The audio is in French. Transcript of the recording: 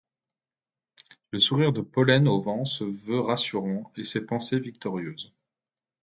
Le sourire de Pollen au Vent se veut rassurant, et ses pensées victorieuses.